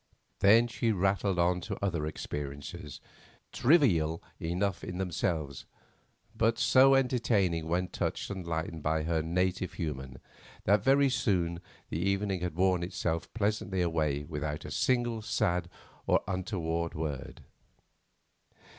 Then she rattled on to other experiences, trivial enough in themselves, but so entertaining when touched and lightened with her native humour, that very soon the evening had worn itself pleasantly away without a single sad or untoward word.